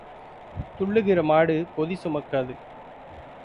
துள்ளுகிற மாடு பொதி சுமக்காது.